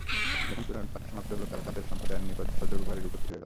যখন কুরআন পাঠ সমাপ্ত হলো, তারা তাদের সম্প্রদায়ের নিকট সতর্ককারীরূপে ফিরে গেল।